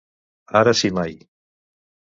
Ara si mai.